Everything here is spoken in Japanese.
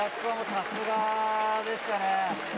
さすがでしたね。